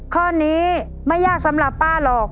ข้อนี้ไม่ยากสำหรับป้าหรอก